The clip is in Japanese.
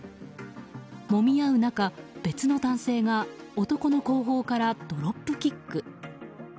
もみ合う中、別の男性が男の後方からドロップキック。